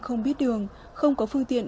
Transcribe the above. không biết đường không có phương tiện